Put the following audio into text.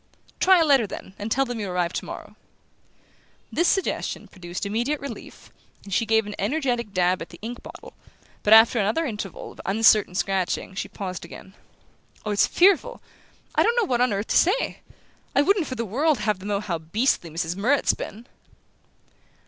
"Try a letter, then and tell them you'll arrive tomorrow." This suggestion produced immediate relief, and she gave an energetic dab at the ink bottle; but after another interval of uncertain scratching she paused again. "Oh, it's fearful! I don't know what on earth to say. I wouldn't for the world have them know how beastly Mrs. Murrett's been."